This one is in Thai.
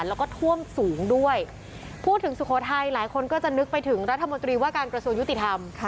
แล้วก็ท่วมสูงด้วยพูดถึงสุโขทัยหลายคนก็จะนึกไปถึงรัฐมนตรีว่าการกระทรวงยุติธรรม